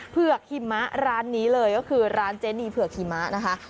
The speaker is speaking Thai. เผือกหิมะร้านนี้เลยก็คือร้านเจนีเผือกหิมะนะคะ